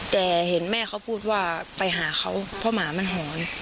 แต่เห็นแม่เขาพูดว่าไปหาเขาเพราะหมามันหอน